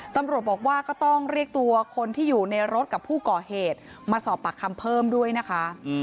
ตำรวจบอกว่าก็ต้องเรียกตัวคนที่อยู่ในรถกับผู้ก่อเหตุมาสอบปากคำเพิ่มด้วยนะคะ